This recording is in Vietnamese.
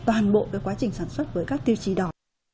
toàn bộ cái quá trình sản xuất với các tiêu chí đỏ